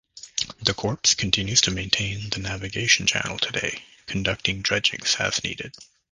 The Corps continues to maintain the navigation channel today, conducting dredgings as needed.